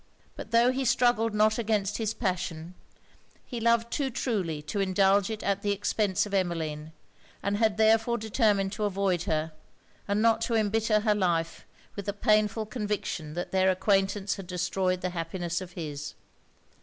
But tho' he struggled not against his passion, he loved too truly to indulge it at the expence of Emmeline; and had therefore determined to avoid her, and not to embitter her life with the painful conviction that their acquaintance had destroyed the happiness of his.